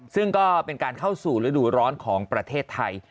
ซึ่งก็เป็นการเข้าสู่ฤดูร้อนของประเทศไทย